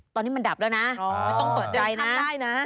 ตอนนี้มันดับแล้วนะไม่ต้องตกใจทำได้นะ